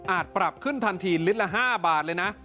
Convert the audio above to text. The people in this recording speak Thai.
ปรับขึ้นทันทีลิตรละ๕บาทเลยนะ